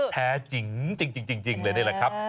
แท้จริงเลยนี่แหละครับ